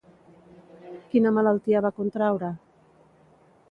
Quina malaltia va contraure?